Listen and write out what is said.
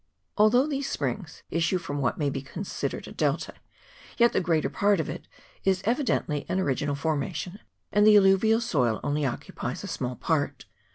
Although these springs issue from what may be considered a delta, yet the greater part of it is evi dently an original formation, and the alluvial soil only occupies a small part.